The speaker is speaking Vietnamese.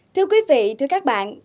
thưa quý vị thưa các bạn